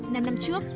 năm năm trước